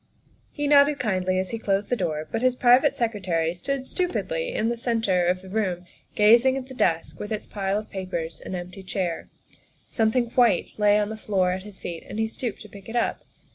He nodded kindly as he closed the door, but his private secretary stood stupidly in the centre of the 76 THE WIFE OF room gazing at the desk with its pile of papers and empty chair. Something white lay on the floor at his feet and he stooped to pick it up.